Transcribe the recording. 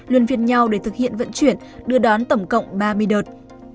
luân viên nhau để thực hiện vận chuyển đưa đón tổng cộng ba mươi đợt